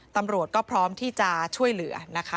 ตำรวจก็พร้อมที่จะช่วยเหลือนะคะ